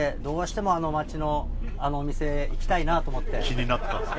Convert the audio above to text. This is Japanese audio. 気になったんですね。